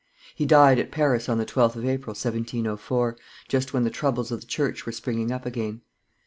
He died at Paris on the 12th of April, 1704, just when the troubles of the church were springing up again.